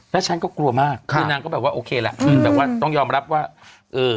แล้วฉันก็กลัวมากคือนางก็แบบว่าโอเคแหละอืมแต่ว่าต้องยอมรับว่าเออ